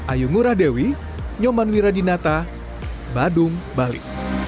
ayu ngurah dewi nyoman wiradinata badung bali